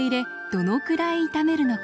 どのくらい炒めるのか。